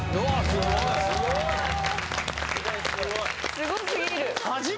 すごすぎる！